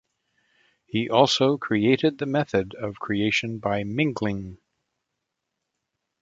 He also created the method of creation by mingling.